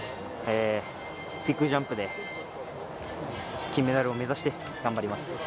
ビッグジャンプで金メダルを目指して頑張ります。